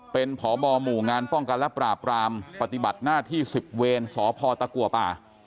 เป็นพบหมู่งานป้องกันและปราบรามปฏิบัติหน้าที่๑๐เวรสพตะกัวป่า